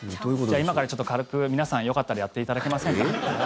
今から、ちょっと軽く皆さん、よかったらやっていただけませんか。